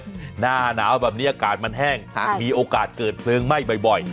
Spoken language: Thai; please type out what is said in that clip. หน้าหนาวแบบนี้อากาศมันแห้งมีโอกาสเกิดเพลิงไหม้บ่อย